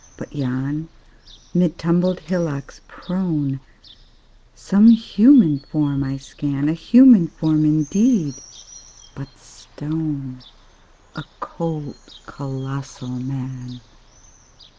But yon, mid tumbled hillocks prone, Some human form I scan A human form, indeed, but stone: A cold, colossal Man!